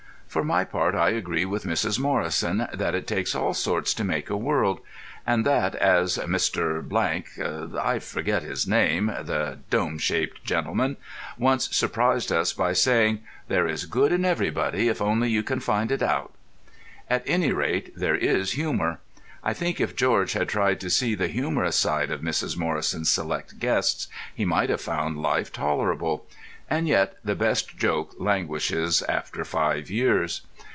For my part I agree with Mrs. Morrison that it takes all sorts to make a world, and that as Mr. —— (I forget his name: the dome shaped gentleman) once surprised us by saying, "There is good in everybody if only you can find it out." At any rate there is humour. I think if George had tried to see the humorous side of Mrs. Morrison's select guests he might have found life tolerable. And yet the best joke languishes after five years.